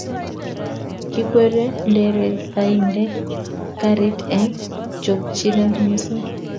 kikwerie nderefaindet karit eng chokchinet missing